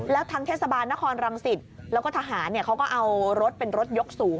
แล้วทางเทศบาลนครรังสิตแล้วก็ทหารเขาก็เอารถเป็นรถยกสูง